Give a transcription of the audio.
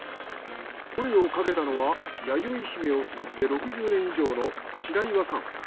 声をかけたのはやよいひめを作って６０年以上の白岩さん。